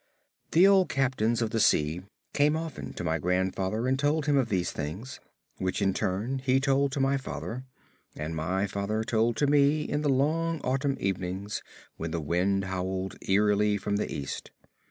The old captains of the sea came often to my grandfather and told him of these things which in turn he told to my father, and my father told to me in the long autumn evenings when the wind howled eerily from the East.